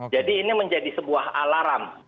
jadi ini menjadi sebuah alarm